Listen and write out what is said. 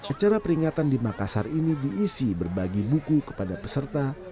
acara peringatan di makassar ini diisi berbagi buku kepada peserta